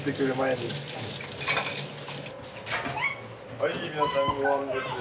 はい皆さんごはんですよ。